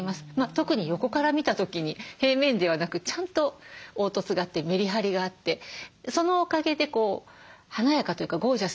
特に横から見た時に平面ではなくちゃんと凹凸があってメリハリがあってそのおかげでこう華やかというかゴージャスな印象があります。